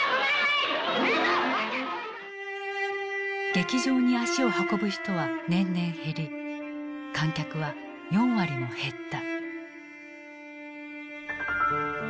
劇場に足を運ぶ人は年々減り観客は４割も減った。